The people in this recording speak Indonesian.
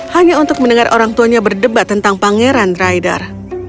hanya untuk mendengar orang tuanya berdebat tentang pangeran rider